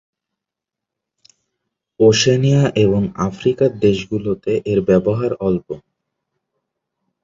Oceania এবং আফ্রিকার দেশগুলোতে এর ব্যবহার অল্প।